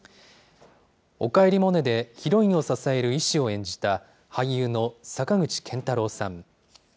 おかえりモネでヒロインを支える医師を演じた、俳優の坂口健太郎さん。